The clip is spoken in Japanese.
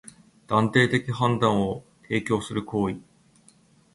断定的判断を提供する行為